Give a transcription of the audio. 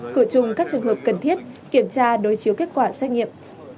cửa chung các trường hợp cần thiết kiểm tra đối chiếu kết quả xét nghiệm